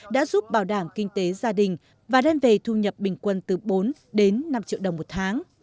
đã giúp bảo đảm kinh tế gia đình và đem về thu nhập bình quân từ bốn đến năm triệu đồng một tháng